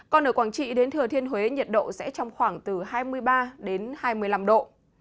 còn ở quảng trị đến thừa thiên huế nhiệt độ sẽ trong khoảng từ hai mươi ba đến hai mươi năm độ